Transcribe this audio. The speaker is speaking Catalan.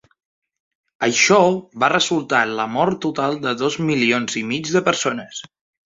Això va resultar en la mort total de dos milions i mig de persones.